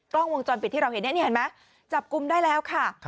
กล้องวงจรปิดที่เราเห็นนี่เห็นไหมจับกลุ่มได้แล้วค่ะ